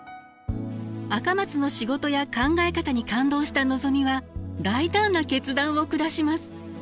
赤松の仕事や考え方に感動したのぞみは大胆な決断を下します。